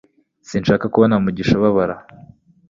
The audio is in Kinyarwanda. Sinshaka kubona mugisha ababara